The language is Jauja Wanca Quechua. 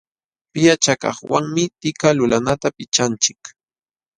Pillachakaqwanmi tika lulanata pichanchik.